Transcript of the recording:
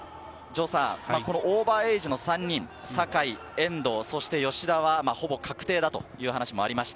横内監督からは、オーバーエイジ３人、酒井、遠藤、吉田はほぼ確定だという話もありました。